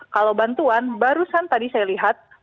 kalau bantuan barusan tadi saya lihat